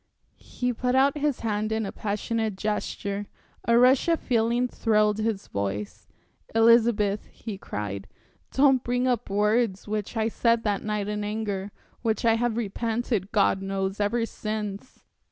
He put out his hand in a passionate gesture, a rush of feeling thrilled his voice. "Elizabeth," he cried, "don't bring up words which I said that night in anger, which I have repented God knows! ever since.